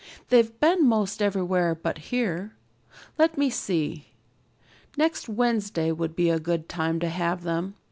"They've been most everywhere but here. Let me see. Next Wednesday would be a good time to have them.